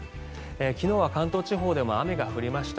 昨日は関東地方でも雨が降りました。